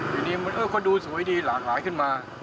ทีนี้มันก็ดูสวยดีหลากหลายขึ้นมา